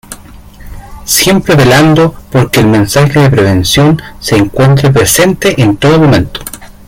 Siempre velando porque el mensaje de prevención se encuentre presente en todo momento.